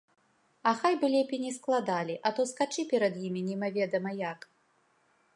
А хай бы лепей не складалі, а то скачы перад імі немаведама як!